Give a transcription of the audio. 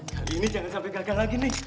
kali ini jangan sampai gagal lagi nih